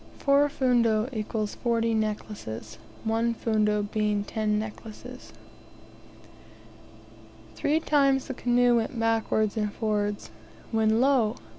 4 fundo == 40 necklaces; 1 fundo being 10 necklaces. Three times the canoes went backwards and forwards, when, lo!